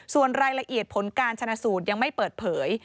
ส่วนรายละเอียดผลการชนะสูตรยังไม่เปิดเผย